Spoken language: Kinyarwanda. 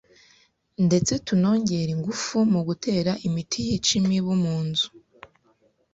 ndetse tunongere ingufu mu gutera imiti yica imibu mu nzu”